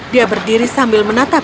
dia berdiri sambil menatap